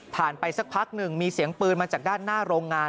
ไปสักพักหนึ่งมีเสียงปืนมาจากด้านหน้าโรงงาน